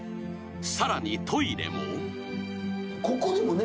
［さらにトイレも］